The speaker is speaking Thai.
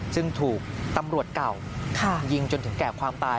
ซึ่งถูกตำรวจเก่ายิงจนถึงแก่ความตาย